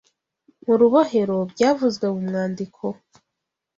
mu rubohero byavuzwe mu mwandiko